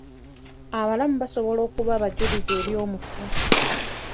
Abalamu basobola okuba abajulizi eri omufu.